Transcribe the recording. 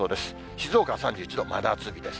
静岡は３１度、真夏日です。